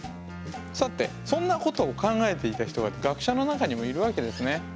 さてそんなことを考えていた人が学者の中にもいるわけですね。